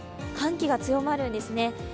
寒気が強まるんですね。